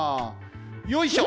よいしょ！